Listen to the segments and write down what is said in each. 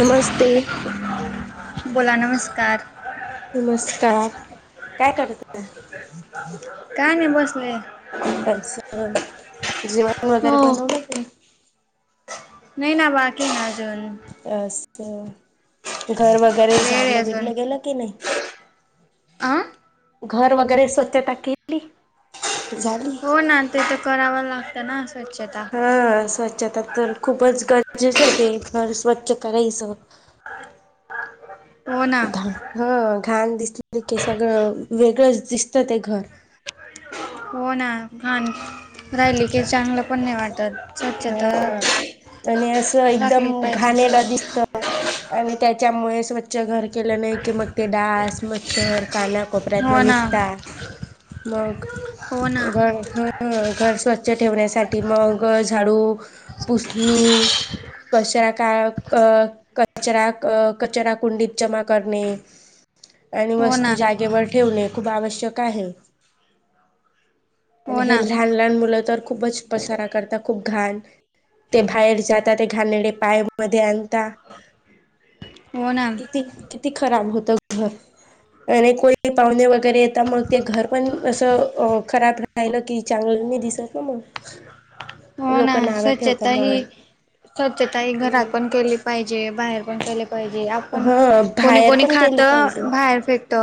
नमस्ते बोला नमस्कार नमस्कार काय करताय? काय नाही बसलोय अस जेवण वगैरे हो बनवलं तुम्ही? नाही ना बाकी हाय अजून अस घर वगैरे वेळ आहे झाडलं अजून बिडलं गेलं की नाही? आ घर वगैरे स्वच्छता केली झाली. हो ना ते तर कराव लागतं ना स्वच्छता अ स्वच्छता तर खूपच गरजेच आहेे ते घर स्वच्छ करायचं हो ना घ ह घाण दिसले की सगळं वेगळंच दिसतं ते घर हो ना घाण राहिली की चांगलं पण नाही वाटत स्वच्छता हा आणि असं राखली एकदम पाहिजे घाणेरडं दिसतं आणि त्याच्यामुळे स्व च्छ घर केल्याने की मग ते डास मच्छर हो काना-कोपऱ्यातणं ना निघता मग हो ना घ ह घर स्वच्छ ठेवण्यासाठी मग झाडू, पुसनी कचरा का अ कचरा क कचरा कुंडीत जमा करणे आणि हो वस्तू ना जागेवर ठेवणे खूप आवश्यक आहे आणि हो ना हे लहान - ला हान मुलं तर खूपच पसार करता. खूप घाण. ते बाहेर जात ते घाणेरडे पाय मध्ये आणता. हो ना किती किती खराब होत घर? आणि कोणी पाहुणे वगैरे येता मग ते घर पण असं अ खराब रा पाहिलं की चांगलं नई दिसत ना मग? हो ना? लोक नावं ठेवतात स्वच्छता ही म्हणून स्वच्छता ही घरात पण केली पाहिजे. बाहेर पण केले पाहिजे. आप पण हा कोणी बाहेर कोणी पण खात केली पाहिजे बाहेर फेकत.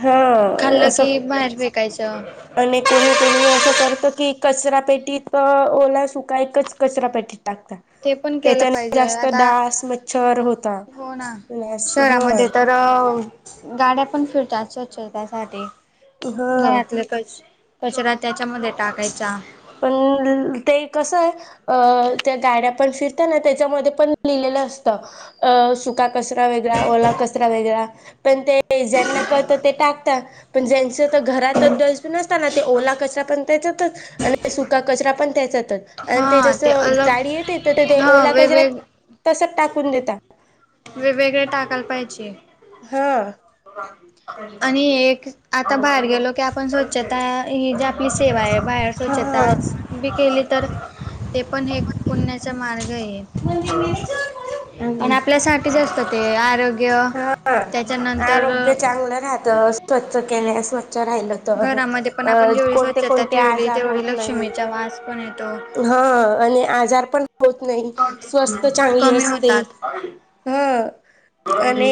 हा खाल्लं असं की बाहेर फेकायचं. आणि कोणी कोणी असं करत की कचरा पेटीत अ ओला सुका एकच कचरा पेटीत. टाकतात. ते पण केलं त्याच्याने पाहिजे जास्त आता डास मच्छर होता. हो ना लह स होय शहरामध्ये तर गाड्या पण फिरतात स्वच्छतेसाठी. हा घरातलं कच - कचरा त्याच्यामध्ये टाकायचा. पण ते कसं आहे? अ त्या गाड्या पण फिरता ना त्याच्यामध्ये पण लिहिलेलं असतं. अ सुका कचरा वेगळा ओला कचरा वेगळा. पण ते ते ज्यांना कळतं ते टाकता. पण ज्यांच आता घरातच डस् बिन अस तना ते ओला कचरा पण त्याच्यातच. आणि सुका कचरा पण त्याच्यातच. आणि ते हा जस अलग गाडी येते तर ते. ते हा ओला क ज वेगवेग तस टाकून देतात. वेगवेेगळे टाकायल पाहिजे. हा. [inaudible] आणि एक आता बाहेर गेलो की आपण स्वच्छता ही जी आपली सेवा आहे. बाहेर हा स्वच्छताच बी केली तर ते पण हे पुण्याचा मार्ग आहे. म्हणजे मॅनेजर आणि आपल्यासाठीच असत ते आरोग्य - - हा य त्याच्यानंत आरोग्य चांगलं राहतं. स्वच्छ केणे स्वच्छ राहिल. घरामध्ये पण आपण जेवढी स्वच्छता ठेवली आजार तेवढी होत लक्ष्मीचा नाही वास पण येतो. हा आणि आजार पण होत नाही स्वस्त चांगली कमी असते. होतात ह. आणि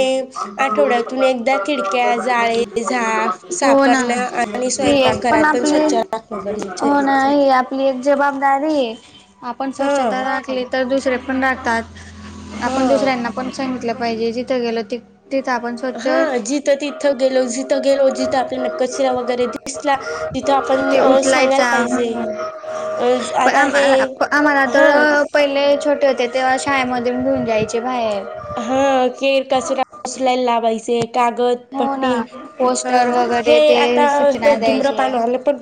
आठवड्यातून एकदा खिडक्या, जाळे, झाफ साफ हो ना करण आणि ही स्वयंपाक एक घरात पण स्वच्छ राखणं गरजेच आहे. नाही आपली एक जबाबदारी हे. आपण स्वच्छता हा राखली तर दुसरे पण राखतात. आपण हा दुसऱ्यांना पण सांगितलं पाहिजे जिथं गेलो ति -तिथं आपण स्वच्छ हा ते जिथं तिथं गेलो जिथं गेलो जिथं आपल्याला कचरा वगैरे ते दिसला तिथं आपण अ सांगायला उचलायचा पाहिजे. अ आता हे आम्हाला आम्हाला हा तर पहिले छोटे होते तेव्हा शाळेमध्ये घेऊन जायचे बाहेर. हा केर -कचरा उचलायला लावायचे. कागद - - हो ना पट्टी. हा. पोस्टर वगैरे हे ते आता सूचना धुम्र द्यायचे पान आलं पण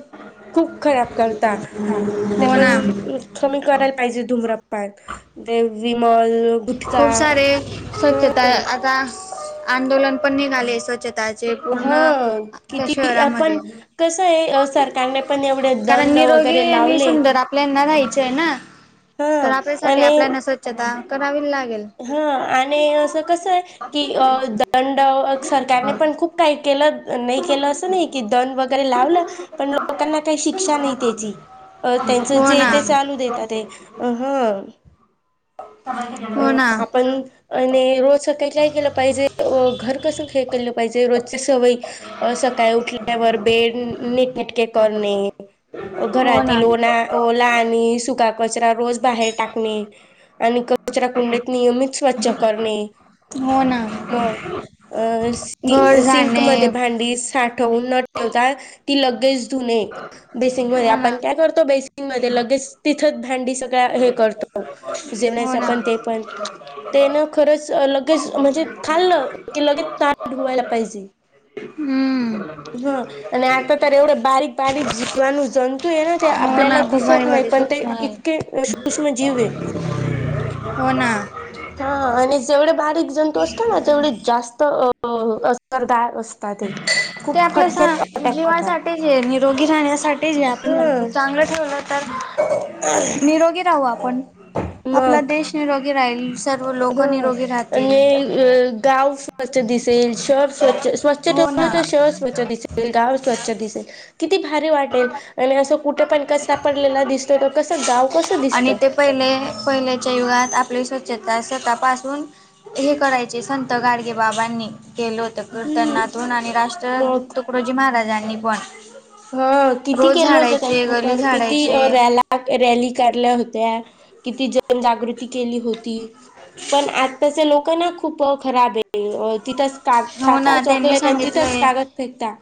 खूप खराब करता. ते हो पण ना कमी करायला पाहिजे धुम्रपान. ते विमल गुटखा - ते स्वच्छता. आता आंदोलन पण निघाले स्वच्छता ते हा पूर्ण, त्या किती शहरामध्ये आपण कसं आहे सरकारने पण एवढे कारण दंड निरोगी वगैरे आणि लावले सुंदर आपल्याना राहायचं ना, हा तर आपल्यासाठी आणि आपल्याला स्व छत्ता करावी लागेल. हा आणि असं कसं? की अ दंड सरकारने पण खूप काही केलं. नाही केलं असं नाही की, दंड वगैरे लावलं पण लोकांना काही शिक्षा नाही त्याची. अं, त्यांचं हो जे ये ना ते चालू देतातंय. अ हं हो ना. [unintelligible] आणि रोज सकाळी काय केलं पाहिजे, अं घर कसं हे केलं पाहिजे, रोजची सवय अ सकाळी उठल्यावर बेड निटनेटके करणे, हो ना घरातील ओना ओला आणि सुका कचरा रोज बाहेर टाकणे. आणि कचरा कुंडी नियमित स्वच्छ करणे. हो ना. मग. अ घर सिंक मध्ये झाडणे भांडी साठवून न ठेवता ती लगेच धुणे. बेसीन मध्ये हो ना आपण काय करतो, बेसीन मध्ये लगेच तिथंच भांडी सगळ्या हे करतो. जेवण्याच हो ना पण ते पण. तेन खरंच लगेच म्हणजे खाल्लं की लगेच ताट धुवायला पाहिजे. हूं! हं आणि आता तर एवढे बारीक बारीक जीवाणू जंतूये ना ते हो आपल्याला ना खूप भारी दिसत नाही भारी पण, ते सूक्ष्म आहे इतके सूक्ष्म जीवंय. हो ना हा आणि जड बारीक जंतू असतो ना तेवढी जास्त अ असरदार असतात ते. ते खूप आपल्या फटक्यात अटॅक करतात जीवासाठीचंय, निरोगी राहण्यासाठीचंय. जे आपण ह ठेवलं तर? निरोगी राहू आपण, आपला मग देश निरोगी राहील. सर्व ह लोकं निरोगी राहतील. आणि गाव स्वच्छ दिसेल, शहर स्वच्छ, स्वच्छ हो ठेवलं ना तर शहर स्वच्छ दिसेल. गाव स्वच्छ दिसेल. किती भारी वाटेल आणि असं कुठे पण कचरा पडलेला दिसतो तर, कसं, गाव कसं दिसत? आणि ते पहिले पहिल्याच्या युगात आपली स्वच्छता स्वतःपासून हे करायचे. संत गाडगे बाबांनी, केलोत. हम्म किर्तनातून आणि राष्ट्र मग तुकडोजी महाराजांनी पण हो, किती रोज केलं होतं झाडायचे त्यांनी गली तर. किती झाडायचे रॅल्या रॅली काढल्या होत्या, किती जन जागृती केली होती. पण आत्ताचे लोकं ना खूप खराब आहे [unintelligible] तिथंच हो खाता ना त्यांनी चॉकलेट तिथंच सांगितलंय कागद फेकता.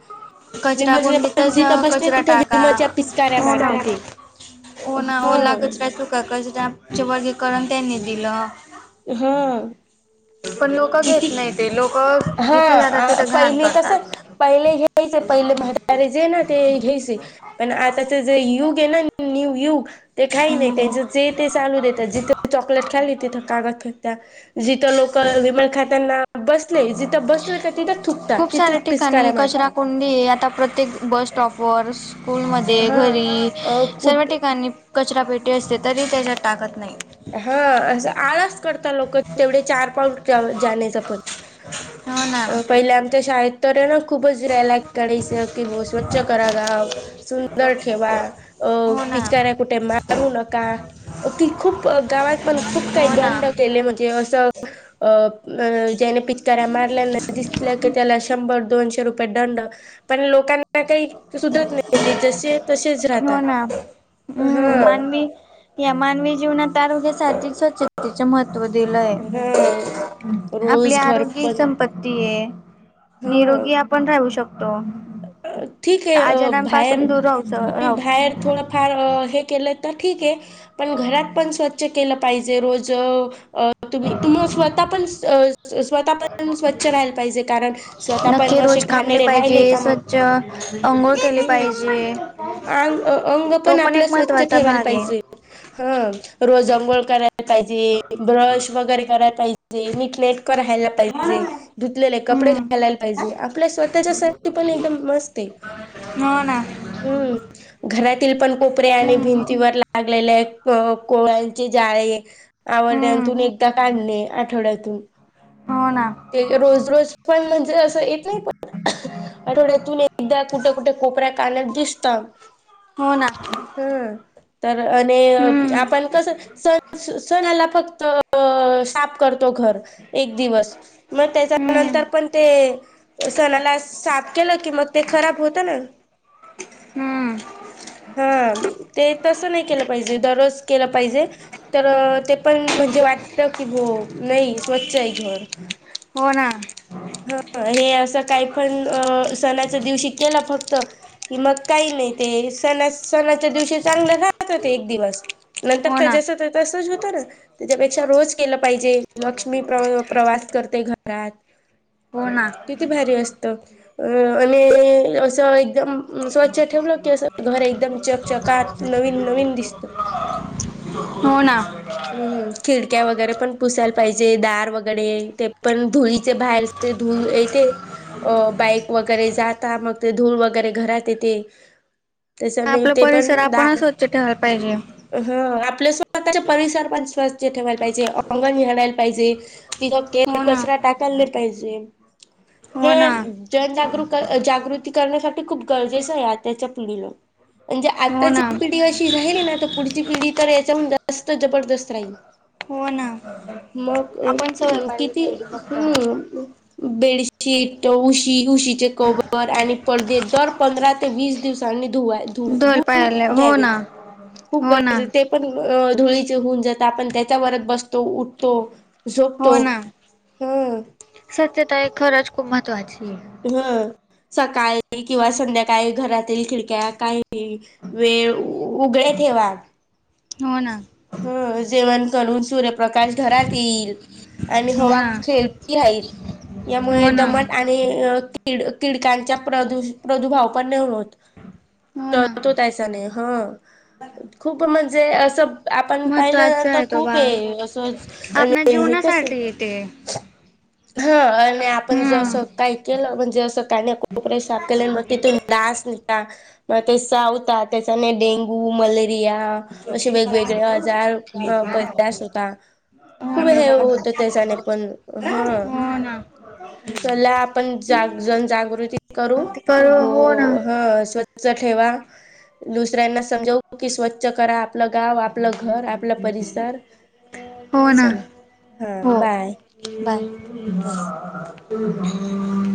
मी कचरा पण कुंडीतच जिथं बसले कचरा तिथं टाका विमलच्या पिचकाऱ्या हो मारतात ना ते हं. चुका क [unintelligible] चे वर्गीकरण त्यांनी दिलं. हूं! पण लोकं घेत नाही ते. लोकं, जिथं जातात हा तिथं घाण पहिले कसं करतात. पहिले घ्यायचे. पहिले म्हातारे जे ना ते घ्यायचे. पण आताचे जे युगयंना, न्यू युग. ते काही नाय. त्यांचं जे ते चालू देतात. जिथं चॉकलेट खाल्ली तिथं कागद फेकतात. जिथं लोकं विमल खाताना बसलेय, जिथं बसल का तिथं थुकतात, तिथंच पिस्कारा मारतात. म्हणजे, आता प्रत्येक बस स्टॉप वर, स्कूलमध्ये, हा घरी अ सर्व कुठ ठिकाणी- कचरापेटी असते, तरी त्याच्यात टाकत नाही. हा, असं आळास करता लोक, तेवढे चार पाऊल जाण्या- चे पण. हो ना पहिला आमच्या शाळेत- तर ना, खूपच [unintelligible] कास की ब स्वच्छ करा गाव. सुंदर ठेवा, अ हो ना पिचकाऱ्या कुठे मारू नका, कि खूप- गावात पण खूप काही हो ना दंड केले, म्हणजे असं अ- अ ज्याने पिचकाऱ्या मारल्यान दिसल्या का, त्याला शंभर दोनशे रुप- का दंड पण लोकां- का काही सुधरत नाही ते, जसे आहेत तसेच हो राहतात. ना हम्म हा. मानवी या मानवी जीवनात आरोग्य साहजिक स्वच्छतेचे महत्- त्व दिलंय. हा आपली रोज घर आरोग्य ही पण संपत्ती आहे. हा निरोगी आपण राहू शकतो. ठीक आहे, अ आजारांपासून बाहेर दूर राहू तुम्ही राहू बाहेर- थोडंफार अ हे केलं तर ठीक आहे, - पण घरात पण स्वच्छ केलं पाहिजे. रोज अ- तुम्ही तुम स्वतः पण, स्वतः पण स्वच्छ राहायला पाहिजे. कारण, - नखे रोज कापले पाहिजे मग स्वच्छ. आंघोळ केली हम्म पाहिजे. अंग अंग तो पण आपलं एक स्वच्छ महत्त्वाचा ठेवायला भाग आहे. पाहिजे हा, रोज अंघोळ करायला पाहिजे, ब्रश वगैरे करायला पाहिजे. नीक्लेट करायला पा- पाहिजे, धुतलेले कपडे हम्म घालायला पाहिजे, आपल्या स्वतःच्या साठी पण एकदम- तेच ते. हो ना हं. घरातील पण कोपऱे आणि हम्म भिंतीवर लागलेले कोळ्यांचे जाळे- हम्म आवर्ड्यांतून एकदा काढणे, आठवड्यातून. हो ना. ते का रोज, रोज पण म्हणजे असं येत नाही, पण- आठवड्यातून एकदा कुठे, कुठे कोपऱ्या कान्यात दिसतात. हो ना. हा, तर आणि हम्म आपण कस स- सणाला फक्त साफ करतो घर, एक दिवस. मग हम्म त्याच्यानंतर पण ते - सणाला साफ केलं की, मग ते खराब होत ना? हम्म हा ते तसं नाही केलं पाहिजे, दररोज केलं पाहिजे. तर ते पण म्हणजे वाटत की, हो नाही स्वच्छ आहे घर. हो ना. ह हे असं काही पण, अ सणाच्या दिवशी केला फक्त- कि मग काही नाही, ते सणा- सणाच्या दिवशी चांगलं राहत ते एक दिवस. हो नंतर ना जसंच्या तसच होतं ना, त्याच्यापेक्षा रोज केलं पाहिजे, लक्ष्मी प्र प्रवास- करते घरात. हो ना. किती भारी असत. अ आणि असं एकदम- स्वच्छ ठेवलं की असं घर एकदम चकचकात नवीन नवीन दिसतं [unintelligible] हो ना. हम्मम खिडक्या वगैरे पण पुसायला पाहिजे. दार वगैरे ते पण धुळीचे बाहेरचे धूळ येते. अ बाईक वगैरे जाता मग ते धूळ वगैरे घरात येते. त्याच्या ने आपला ते पण परिसर आपणच दार, स्वच्छ ठेवायला पाहिजे. ह आपल स्व परिसर पण स्वच्छ ठेवायला पाहिजे. अंगण झाडायला पाहिजे. तिथ हो केर ना कचरा टाकाला नहि पाहिजे. हे हो ना जनजागृ जागृती करण्यासाठी खूप गरजेचंय. आता च्या पिढीला. म्हणजे हो आत्ताची ना पिढी अशी राहिली ना. त पुढची पिढी तर याच्याहून जा स्त जबरदस्त राहील. हो ना मग आपण सवय पाडली किती् पाहिजे फक्त हम्म. बेडशीट, उशी, उशीचे कवर आणि पडदेत दर पंधरा ते वीस दिवसांनी धुवाय धू ढोल धुन पाळले हो घ्यावेत. ना खूप हो ना. गरजे ते पण धुळीचे होऊन जातात. आपण त्याच्यावरच बसतो उठतो. झोपतो. ह. स्वछता हे खरंच खूप महत्वाचीये. ह सकाळी किंवा संध्याकाळी घरातील खिडक्या काही वेळ उघडे ठेवा. हो ना. हो जेवण करून सूर प्रकाश घरात येईल. आणि हो हवा ना पण खेळती राहील. यामुळे हो ना दमट ते कीड कीडकांच्या प्रदुर्भाव पण नाय होत. हो ना चळतो त्याचा नाही. ह खूप म्हणजे असं आपण पाहिलं ना महत्त्वाचा त आहे तो खूपे भाग असच. आणि आपल्या हे कस जीवनासाठी येते हा आणि आपण हम्म जसं काही केलं. म्हणजे असं काने कोपरे साफ केले मग तिथून डास येता म ते चावता. त्याच्याने डेंगू मलेरिया अशे वेगवेगळे आजार पैदास होता. हो खूप हे ना होतं त्याच्याने पण. हा. हो ना चला आपण जा जनजागृती करू, की हो ह स्वच्छ ठेवा. दुसऱ्यांना समजवू की स्वच्छ करा आपलं गाव आप आपलं घर, आपला परिसर. हो ना चला. हा हो बाय. बाय. हो [inaudible]